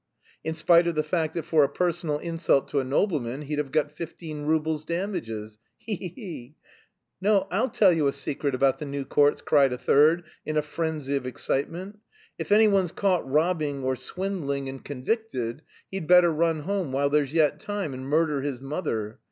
"In spite of the fact that for a personal insult to a nobleman he'd have got fifteen roubles damages! He he he!" "No, I'll tell you a secret about the new courts," cried a third, in a frenzy of excitement, "if anyone's caught robbing or swindling and convicted, he'd better run home while there's yet time, and murder his mother.